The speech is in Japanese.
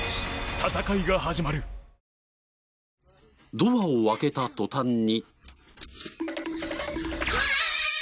ドアを開けた途端に。